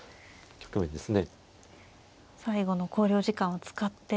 最後の考慮時間を使って。